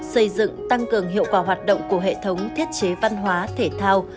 xây dựng tăng cường hiệu quả hoạt động của hệ thống thiết chế văn hóa thể thao